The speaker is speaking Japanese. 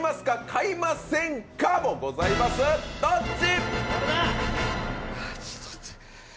買いませんもございます、どっち？